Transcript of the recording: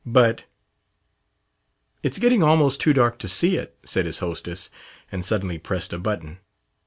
But "It's getting almost too dark to see it," said his hostess, and suddenly pressed a button.